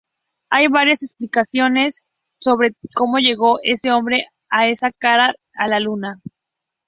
Hay varias explicaciones sobre cómo llegó ese hombre o esa cara a la Luna.